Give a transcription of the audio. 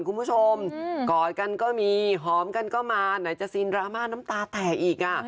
คุณผู้ชมกอดกันก็มีหอมกันก็มาไหนจะซีนดราม่าน้ำตาแตกอีกอ่ะ